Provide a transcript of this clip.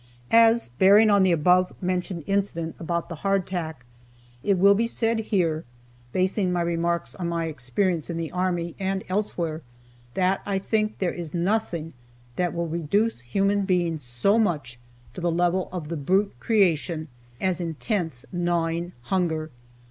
As bearing on the above mentioned incident about the hardtack, it will be said here, basing my remarks on my experience in the army, and elsewhere, that I think there is nothing that will reduce human beings so much to the level of the brute creation as intense, gnawing hunger.